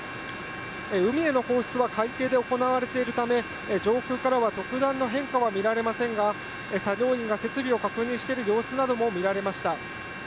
海への放出は海底で行われているため、上空からは特段の変化は見られませんが、作業員が設備を確認している様子なども見られました。